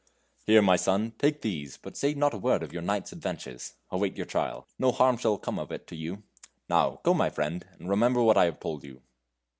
"Here, my son, take these, but say not a word of your night's adventures. Await your trial; no harm shall cone of it to you. Now go, my friend, and remember what I have told you."